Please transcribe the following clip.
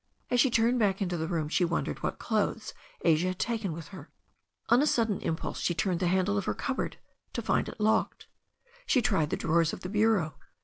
As she turned back into the room she wondered what clothes Asia had taken with her. On a sudden impulse she turned the handle of her cupboard, to find it locked. She tried the drawers of the bureau.